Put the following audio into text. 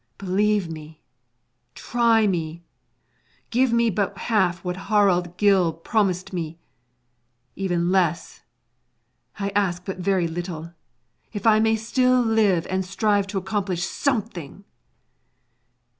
Believe me, try me, give me but half what Harald Gille promised me, even less; I ask but very little, if I may still live and strive to accomplish something!